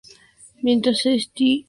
Mientras St.